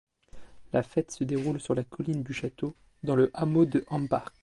La fête se déroule sur la colline du château, dans le hameau de Hambach.